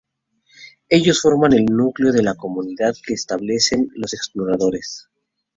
Ellos forman el núcleo de la comunidad que establecen los exploradores.